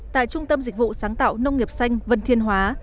tại trung tâm dịch vụ sáng tạo nông nghiệp xanh vân thiên hóa